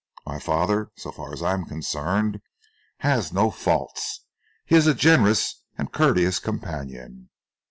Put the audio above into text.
My father, so far as I am concerned, has no faults. He is a generous and courteous companion.